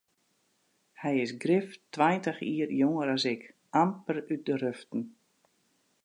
Hy is grif tweintich jier jonger as ik, amper út de ruften.